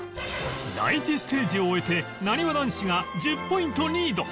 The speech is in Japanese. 第１ステージを終えてなにわ男子が１０ポイントリード